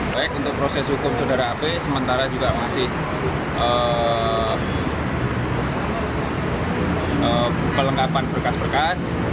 baik untuk proses hukum saudara ap sementara juga masih pelengkapan bekas bekas